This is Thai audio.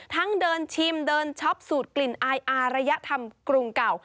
เดินชิมเดินช็อปสูตรกลิ่นอายอารยธรรมกรุงเก่า